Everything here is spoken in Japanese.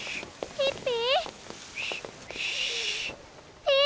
ピッピ！